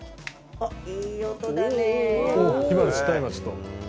おっ、いい音だね。